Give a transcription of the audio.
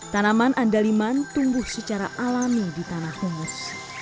tanaman andaliman tumbuh secara alami di tanah hungos